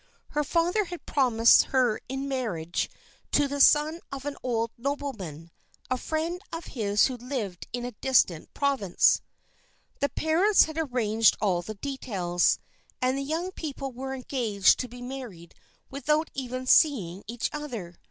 Her father had promised her in marriage to the son of an old nobleman, a friend of his who lived in a distant province. The parents had arranged all the details, and the young people were engaged to be married without even seeing each other.